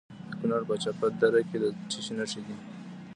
د کونړ په چپه دره کې د څه شي نښې دي؟